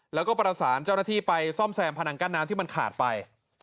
แล้วก็ประสานเจ้าหน้าที่ไปซ่อมแซมพนังกั้นน้ำที่มันขาดไป